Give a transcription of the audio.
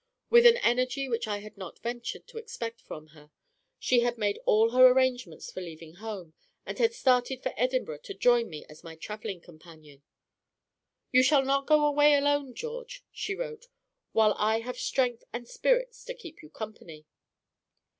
With an energy which I had not ventured to expect from her, she had made all her arrangements for leaving home, and had started for Edinburgh to join me as my traveling companion. "You shall not go away alone, George," she wrote, "while I have strength and spirits to keep you company."